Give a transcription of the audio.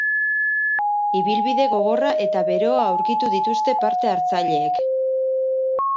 Ibilbide gogorra eta beroa aurkitu dituzte parte hartzaileek.